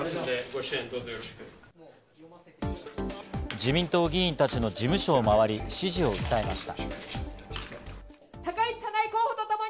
自民党議員たちの事務所を回り支持を訴えました。